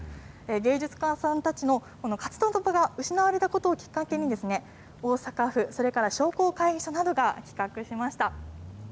芸術家さんたちの、この活動の場が失われたことをきっかけに、大阪府、それから商工会議所などが企画しました。